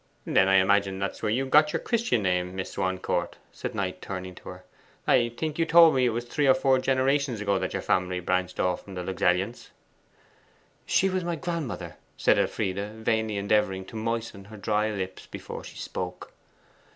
'Then I imagine this to be where you got your Christian name, Miss Swancourt?' said Knight, turning to her. 'I think you told me it was three or four generations ago that your family branched off from the Luxellians?' 'She was my grandmother,' said Elfride, vainly endeavouring to moisten her dry lips before she spoke.